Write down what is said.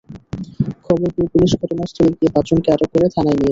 খবর পেয়ে পুলিশ ঘটনাস্থলে গিয়ে পাঁচজনকে আটক করে থানায় নিয়ে যায়।